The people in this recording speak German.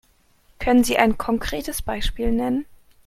Können Sie ein konkretes Beispiel nennen?